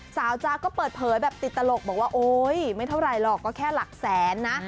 จ๊ะก็เปิดเผยแบบติดตลกบอกว่าโอ๊ยไม่เท่าไหร่หรอกก็แค่หลักแสนนะ